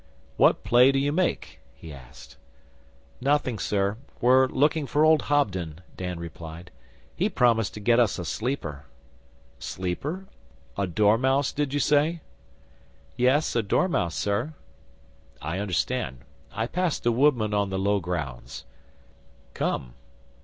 ] 'What play do you make?' he asked. 'Nothing, Sir. We're looking for old Hobden,' Dan replied.'He promised to get us a sleeper.' 'Sleeper? A DORMEUSE, do you say?' 'Yes, a dormouse, Sir.' 'I understand. I passed a woodman on the low grounds. Come!